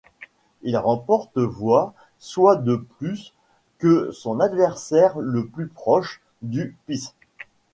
Il remporte voix, soit de plus que son adversaire le plus proche, du PiS.